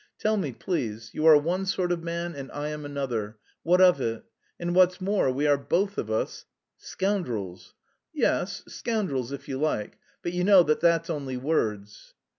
Tell me, please. You are one sort of man and I am another what of it? And what's more, we are both of us..." "Scoundrels." "Yes, scoundrels if you like. But you know that that's only words."